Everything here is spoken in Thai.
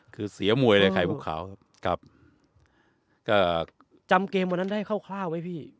คือเสียมวยเลยไข่มุกขาวครับครับก็จำเกมวันนั้นได้คร่าวคร่าวไหมพี่